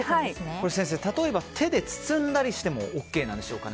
先生、例えば手で包んだりしてもＯＫなんですかね？